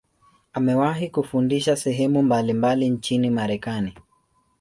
Amewahi kufundisha sehemu mbalimbali nchini Marekani.